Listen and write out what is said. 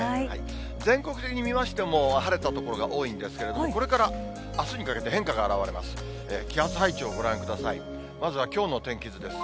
全国的に見ましても、晴れた所が多いんですけれども、これからあすにかけて変化が表れます。